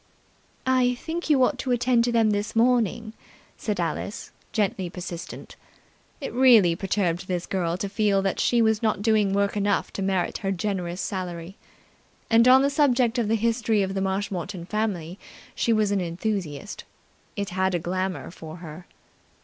"I think you ought to attend to them this morning," said Alice, gently persistent. It really perturbed this girl to feel that she was not doing work enough to merit her generous salary. And on the subject of the history of the Marshmoreton family she was an enthusiast. It had a glamour for her.